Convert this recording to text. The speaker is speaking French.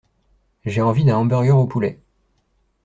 J'ai envie d'un hamburger au poulet.